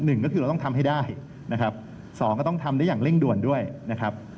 หนึ่งก็คือเราต้องทำให้ได้นะครับสองก็ต้องทำได้อย่างเร่งด่วนด้วยนะครับ